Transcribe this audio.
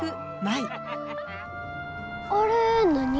あれ何？